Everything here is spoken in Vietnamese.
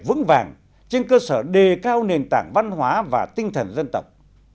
vững vàng trên cơ sở đề cao nền tảng văn hóa và tinh thần dân tộc